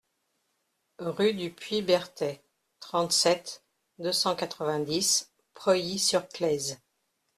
Rue du Puits Berthet, trente-sept, deux cent quatre-vingt-dix Preuilly-sur-Claise